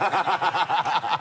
ハハハ